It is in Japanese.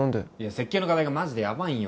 設計の課題がマジでやばいんよ